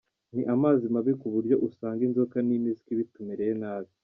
Ni amazi mabi ku buryo usanga inzoka n’impiswi bitumereye nabi.